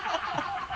ハハハ